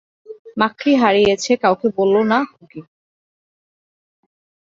মাকড়ি হারিয়েছে কাউকে বোলো না খুকী।